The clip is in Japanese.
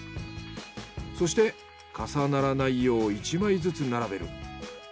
そして重ならないよう１枚ずつ並べる。